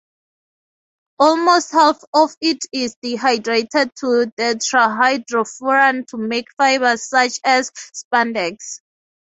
Almost half of it is dehydrated to tetrahydrofuran to make fibers such as Spandex.